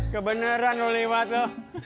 kebeneran lu lewat lu